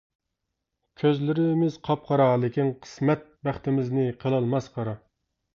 كۆزلىرىمىز قاپقارا، لېكىن قىسمەت ، بەختىمىزنى قىلالماس قارا .